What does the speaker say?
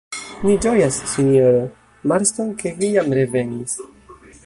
Ni ĝojas, sinjoro Marston, ke vi jam revenis.